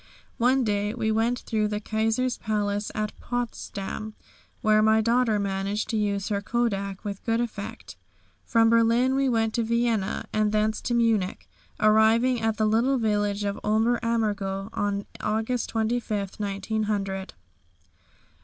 One day we went through the Kaiser's Palace at Potsdam, where my daughter managed to use her kodak with good effect. From Berlin we went to Vienna, and thence to Munich, arriving at the little village of Ober Ammergau on August 25, 1900. Dr.